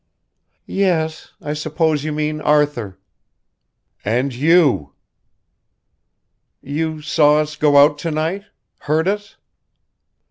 "Yes ... I suppose you mean Arthur." "And you." "You saw us go out to night ... heard us?"